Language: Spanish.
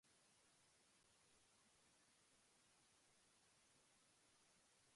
Turner fue criado en Hannah, Carolina del Sur.